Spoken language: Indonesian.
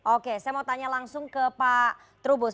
oke saya mau tanya langsung ke pak trubus